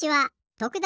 徳田